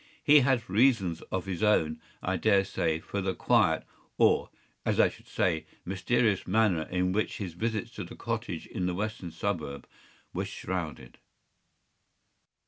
He had reasons of his own, I dare say, for the quiet, or, as I should say, mysterious manner in which his visits to the cottage in the western suburb were shrouded.